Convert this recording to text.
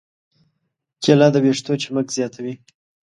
کېله د ویښتو چمک زیاتوي.